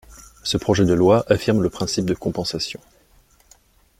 Ce projet de loi affirme le principe de compensation.